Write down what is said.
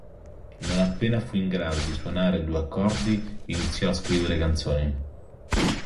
Non appena fu in grado di suonare due accordi, iniziò a scrivere canzoni.